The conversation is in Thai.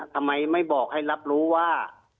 ทำไมไม่บอกให้รับรู้ว่า